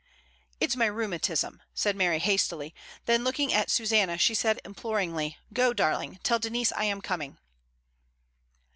"It's my rheumatism," said Mary hastily; then looking at Susanna, she said imploringly, "Go, darling, tell Denise I am coming."